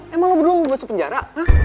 emang lo berdua masuk penjara